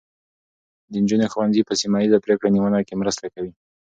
د نجونو ښوونځي په سیمه ایزه پرېکړه نیونه کې مرسته کوي.